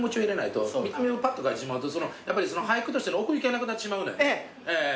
見た目をぱっと書いてしまうとやっぱりその俳句としての奥行きがなくなってしまうのよ。